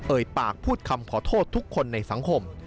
ปากพูดคำขอโทษทุกคนในสังคม